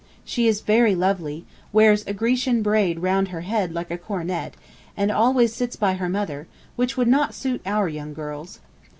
She is very lovely, wears a Grecian braid round her head like a coronet, and always sits by her mother, which would not suit our young girls.